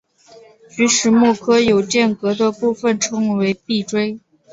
菊石目壳有间隔的部份称为闭锥。